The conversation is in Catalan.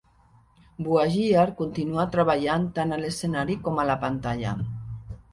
Buhagiar continua treballant tant a l'escenari com a la pantalla.